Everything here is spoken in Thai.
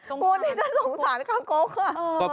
โอ้มีนจะสงสารคางคกค่ะ